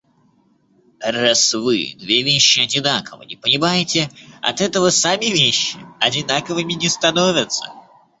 Раз вы две вещи одинаково не понимаете, от этого сами вещи одинаковыми не становятся.